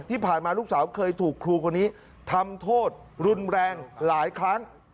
ที่ผ่านมาลูกสาวเคยถูกครูคนนี้ทำโทษรุนแรงหลายครั้ง